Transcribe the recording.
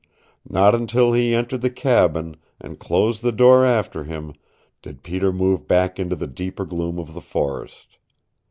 Not until he entered the cabin, and closed the door after him, did Peter move back into the deeper gloom of the forest.